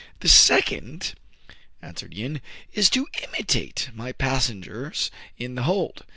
" The second," answered Yin, " is to imitate my passengers in the hold.